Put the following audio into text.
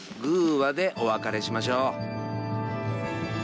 話でお別れしましょう。